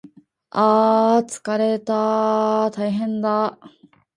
ああああつかれたなああああたいへんだ